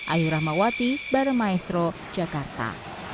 ayu rahmawati bareng maestro jakarta